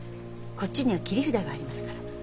こっちには切り札がありますから。